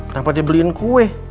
kenapa dibeliin kue